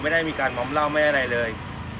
ไม่ได้มีการมอมเหล้าไม่ได้อะไรเลย